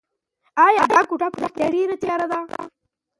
ایا دا کوټه په رښتیا ډېره تیاره ده؟